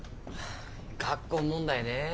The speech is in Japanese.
学校問題ね。